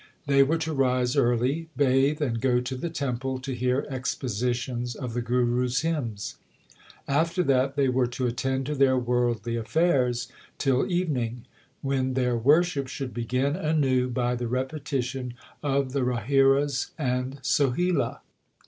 They were to rise early, bathe and go to the temple to hear expositions of the Guru s hymns. After that they were to attend to their worldly affairs till evening, when their worship should begin anew by the repetition of the Rahiras and Sohila.